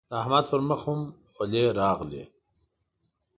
د احمد پر مخ هم خلي راغلل.